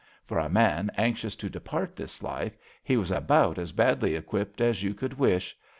For a man anxious to depart this life he was about as badly equipped as you could wish.